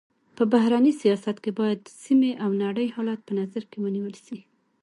په بهرني سیاست کي باید سيمي او نړۍ حالت په نظر کي ونیول سي.